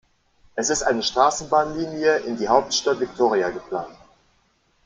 Es ist eine Straßenbahnlinie in die Hauptstadt Victoria geplant.